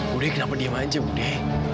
budi kenapa diam aja budi